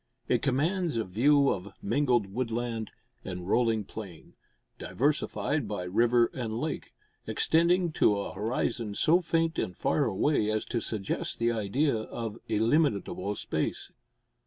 It commands a view of mingled woodland and rolling plain, diversified by river and lake, extending to a horizon so faint and far away as to suggest the idea of illimitable space.